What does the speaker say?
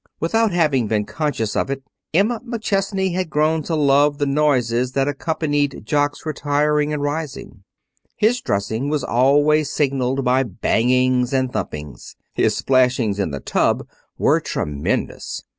Without having been conscious of it, Emma McChesney had grown to love the noises that accompanied Jock's retiring and rising. His dressing was always signalized by bangings and thumpings. His splashings in the tub were tremendous.